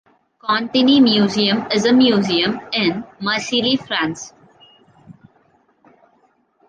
Contini Museum is a museum in Marseille, France.